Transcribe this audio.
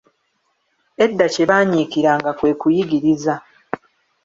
Edda kye banyiikiriranga kwe kuyigiriza.